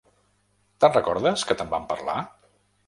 Te'n recordes, que te'n vam parlar?